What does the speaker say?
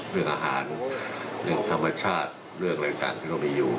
เรื่องอาหารเรื่องธรรมชาติเรื่องอะไรต่างที่เรามีอยู่